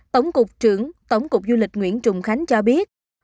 tổng cục trưởng tổng cục du lịch nguyễn trùng khánh cho biết